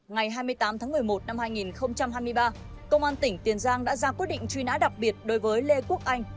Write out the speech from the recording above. ngày hai mươi tám tháng một mươi một năm hai nghìn hai mươi ba công an tỉnh tiền giang đã ra quyết định truy nã đặc biệt đối với lê quốc anh